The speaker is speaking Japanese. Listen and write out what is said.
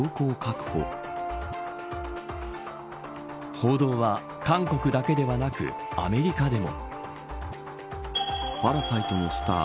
報道は韓国だけではなくアメリカでも。